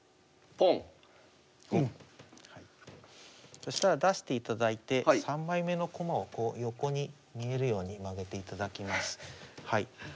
そしたら出していただいて３枚目の駒をこう横に見えるように曲げていただきます。